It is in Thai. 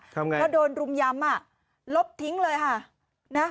ทำอย่างไรแล้วโดนรุมยำลบทิ้งเลยฮะ